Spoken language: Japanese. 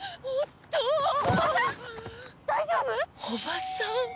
おばさん！